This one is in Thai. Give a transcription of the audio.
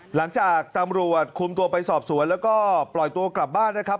หลังจากตำรวจคุมตัวไปสอบสวนแล้วก็ปล่อยตัวกลับบ้านนะครับ